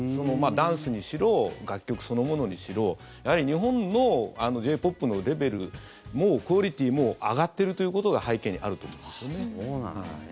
ダンスにしろ楽曲そのものにしろやはり日本のＪ−ＰＯＰのレベルもクオリティーも上がってるということがそうなんだね。